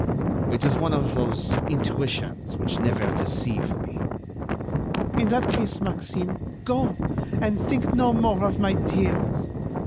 It is one of those intuitions which never deceive me." "In that case, Maxime, go, and think no more of my tears.